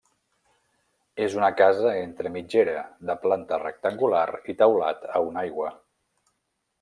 És una casa entre mitgera, de planta rectangular i teulat a una aigua.